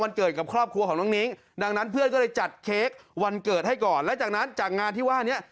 เกิดกับครอบครัวของน้องนิ้งดังนั้นเพื่อนก็เลยจัดเค้กวันเกิดให้ก่อนและจากนั้นจากงานที่ว่านี้